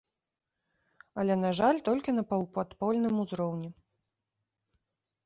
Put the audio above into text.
Але, на жаль, толькі на паўпадпольным узроўні.